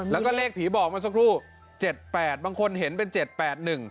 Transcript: แล้วก็เลขผีบอกเมื่อสักครู่เจ็ดแปดบางคนเห็นเป็นเจ็ดแปดหนึ่ง